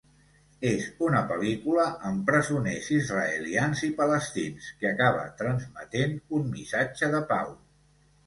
És una pel·lícula amb presoners israelians i palestins que acaba transmetent un missatge de pau.